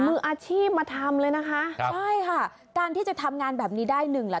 มืออาชีพมาทำเลยนะคะใช่ค่ะการที่จะทำงานแบบนี้ได้หนึ่งล่ะ